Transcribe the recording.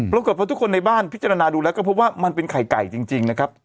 ปรากฏว่าทุกคนในบ้านพิจารณาดูแล้วก็พบว่ามันเป็นไข่ไก่จริงนะครับ